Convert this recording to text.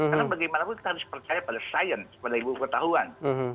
karena bagaimanapun kita harus percaya pada sains pada ibu ketahuan